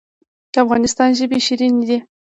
د افغانستان ژبې شیرینې دي